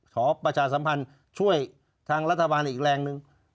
ประชาสัมพันธ์ช่วยทางรัฐบาลอีกแรงหนึ่ง